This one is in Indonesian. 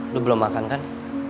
lu belum makan kan